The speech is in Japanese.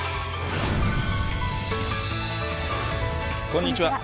こんにちは。